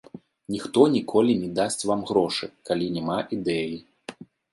Ніхто ніколі не дасць вам грошы, калі няма ідэі.